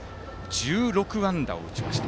１６安打を打ちました。